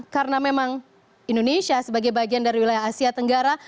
karena memang indonesia sebagai bagian dari wilayah asia tenggara